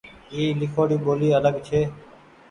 اي ليکوڙي ٻولي آلگ ڇي۔